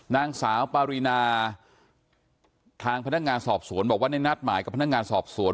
นางสาวปารีนาทางพนักงานสอบสวนบอกว่าได้นัดหมายกับพนักงานสอบสวน